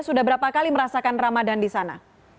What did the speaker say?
sudah berapa kali merasakan ramadan di sana